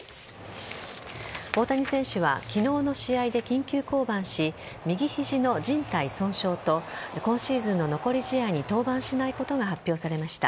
大谷選手は昨日の試合で緊急降板し右肘の靭帯損傷と今シーズンの残り試合に登板しないことが発表されました。